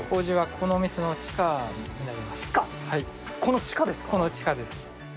この地下です。